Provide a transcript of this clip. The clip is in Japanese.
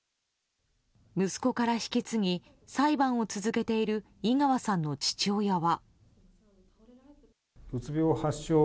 息子から引き継ぎ裁判を続けている井川さんの父親は。